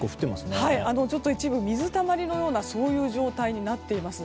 ちょっと一部で水たまりのような状態になっています。